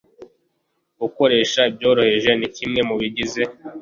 Gukoresha ibyoroheje ni kimwe mu bigize